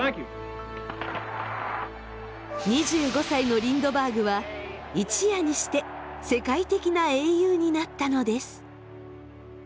２５歳のリンドバーグは一夜にして世界的な英雄になったのです。